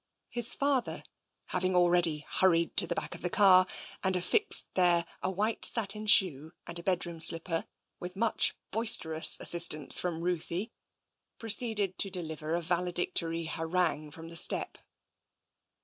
His father, having already hurried to the back of the car and affixed there a white satin shoe and a bedroom slipper, with much boisterous assistance from Ruthie, proceeded to deliver a valedictory harangue from the step.